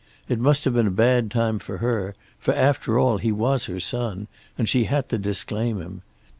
It must have been a bad time for her, for after all he was her son, and she had to disclaim him.